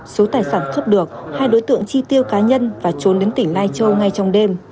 số tài sản cướp được hai đối tượng chi tiêu cá nhân và trốn đến tỉnh lai châu ngay trong đêm